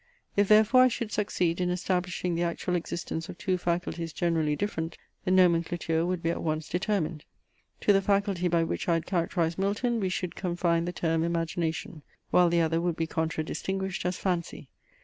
If therefore I should succeed in establishing the actual existence of two faculties generally different, the nomenclature would be at once determined. To the faculty by which I had characterized Milton, we should confine the term 'imagination;' while the other would be contra distinguished as 'fancy.'